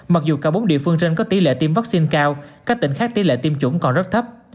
mặc dù cả bốn địa phương trên có tỷ lệ tiêm vaccine cao các tỉnh khác tỷ lệ tiêm chủng còn rất thấp